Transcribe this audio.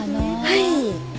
はい。